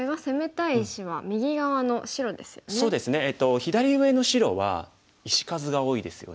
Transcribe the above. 左上の白は石数が多いですよね。